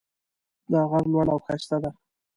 دا غر لوړ او ښایسته ده